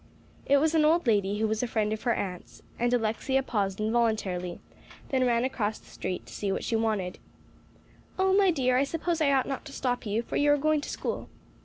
It was an old lady who was a friend of her aunt's, and Alexia paused involuntarily, then ran across the street to see what was wanted. "Oh, my dear, I suppose I ought not to stop you, for you are going to school."